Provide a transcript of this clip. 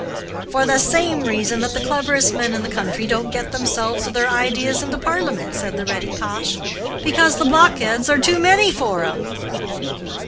"For the same reason that the cleverest men in the country don't get themselves or their ideas into Parliament," said the ready Pash; "because the blockheads are too many for 'em."